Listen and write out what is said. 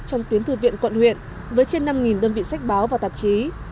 trong tuyến thư viện quận huyện với trên năm đơn vị sách báo và tạp chí